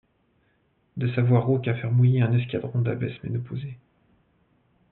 de sa voix rauque à faire mouiller un escadron d'abbesses ménopausées.